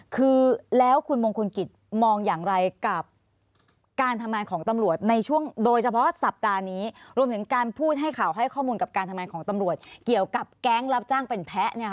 การทำงานของตำรวจเกี่ยวกับแก๊งรับจ้างเป็นแพ้